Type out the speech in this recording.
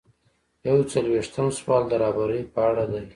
یو څلویښتم سوال د رهبرۍ په اړه دی.